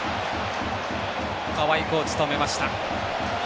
川相コーチとめました。